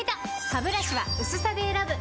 ハブラシは薄さで選ぶ！